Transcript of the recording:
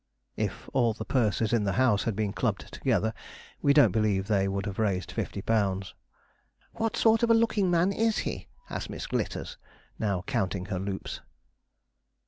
If all the purses in the house had been clubbed together, we don't believe they would have raised fifty pounds. 'What sort of a looking man is he?' asked Miss Glitters, now counting her loops.